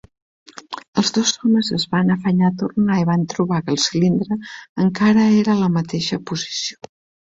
Els dos homes es van afanyar a tornar i van trobar que el cilindre encara era a la mateixa posició.